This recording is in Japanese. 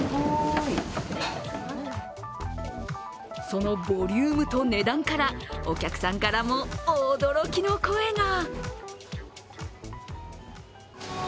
そのボリュームと値段からお客さんからも驚きの声が。